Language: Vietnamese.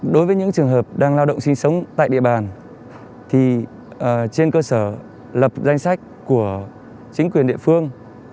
đối với những trường hợp đang lao động sinh sống tại địa bàn thì trên cơ sở lập danh sách của chính quyền địa phương